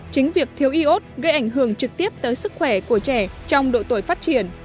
chính việc thiếu iốt gây ảnh hưởng trực tiếp tới sức khỏe của trẻ trong độ tuổi phát triển